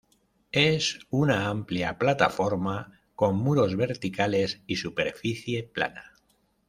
Es una amplia plataforma con muros verticales y superficie plana.